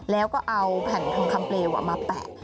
แล้วก็เอาแผ่นทองคำเปลวมาแปะ